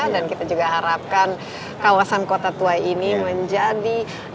dan kita juga harapkan kawasan kota tua ini menjadi icon